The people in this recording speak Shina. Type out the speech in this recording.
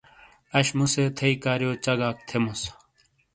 اش مُُو سے تھئی کاریو چگاک تھیموس۔